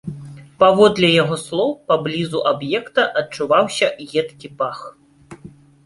Паводле яго слоў, паблізу аб'екта адчуваўся едкі пах.